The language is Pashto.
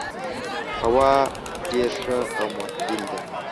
هوا ډېر ښه او معتدل ده.